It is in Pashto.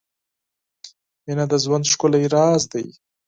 • مینه د ژوند ښکلی راز دی.